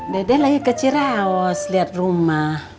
dede lagi ke ciraos liat rumah